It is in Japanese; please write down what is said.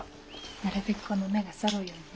なるべくこの目がそろうようにね。